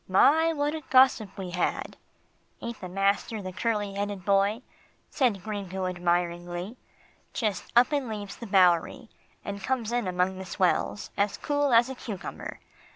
My! what a gossip we had. "Ain't master the curly headed boy," said Gringo admiringly. "Just up and leaves the Bowery, and comes in among the swells, as cool as a cucumber.